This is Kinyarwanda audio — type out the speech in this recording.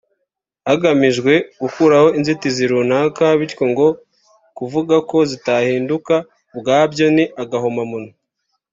hagamijwe gukuraho inzitizi runaka bityo ngo kuvuga ko zitahinduka ubwabyo ni agahomamunwa